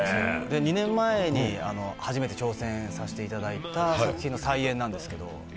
２年前に初めて挑戦させていただいた作品の再演なんですけど。